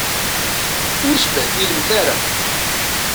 Ur sbehdilemt ara.